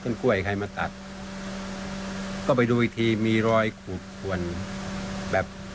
ชื่อว่ามันจับคลิกทางพรรดา